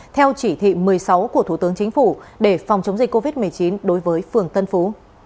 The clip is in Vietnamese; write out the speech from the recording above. theo chỉ thị một mươi sáu của thủ tướng chính phủ để phòng chống dịch covid một mươi chín đối với phường tân phú